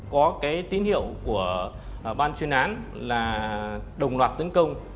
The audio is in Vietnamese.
có cái tín hiệu của ban chuyên án là đồng loạt tấn công